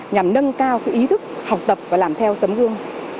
nhằm nâng cao ý thức học tập và làm theo tấm gương